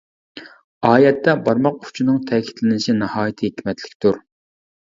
ئايەتتە بارماق ئۇچىنىڭ تەكىتلىنىشى ناھايىتى ھېكمەتلىكتۇر.